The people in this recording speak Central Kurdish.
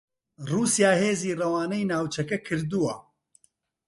رووسیا هێزی رەوانەی ناوچەکە کردووە